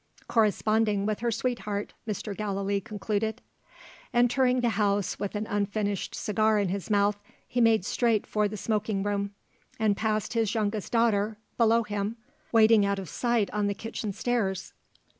"Corresponding with her sweetheart," Mr. Gallilee concluded. Entering the house with an unfinished cigar in his mouth, he made straight for the smoking room and passed his youngest daughter, below him, waiting out of sight on the kitchen stairs.